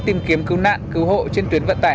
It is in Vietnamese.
tìm kiếm cứu nạn cứu hộ trên tuyến vận tải